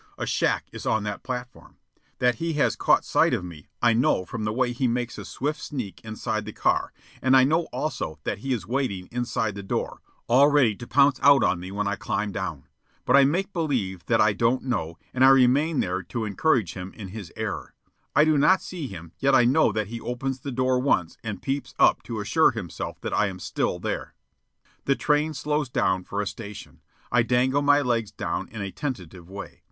A shack is on that platform. That he has caught sight of me, I know from the way he makes a swift sneak inside the car; and I know, also, that he is waiting inside the door, all ready to pounce out on me when I climb down. But I make believe that I don't know, and I remain there to encourage him in his error. I do not see him, yet I know that he opens the door once and peeps up to assure himself that I am still there. The train slows down for a station. I dangle my legs down in a tentative way.